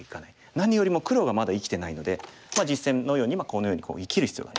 何よりも黒がまだ生きてないので実戦のようにこのように生きる必要がありますね。